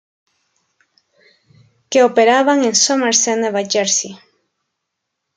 Que operaban en Somerset, Nueva Jersey.